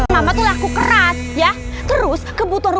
mama mau jualan mikir